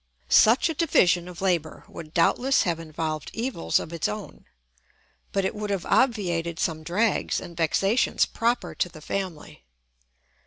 Such a division of labour would doubtless have involved evils of its own, but it would have obviated some drags and vexations proper to the family.